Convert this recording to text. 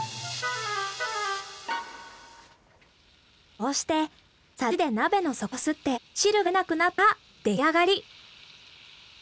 こうしてサジで鍋の底をこすって汁が出なくなったら出来上がり。